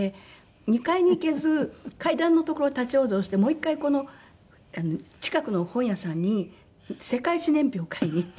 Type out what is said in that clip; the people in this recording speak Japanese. ２階に行けず階段のところを立ち往生してもう一回近くの本屋さんに世界史年表を買いに行って。